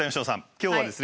今日はですね